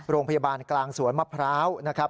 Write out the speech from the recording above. โรงพยาบาลกลางสวนมะพร้าวนะครับ